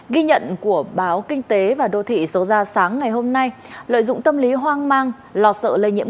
ghi nhận của báo kinh tế và đô thị số ra sáng ngày hôm nay lợi dụng tâm lý hoang mang lo sợ lây nhiễm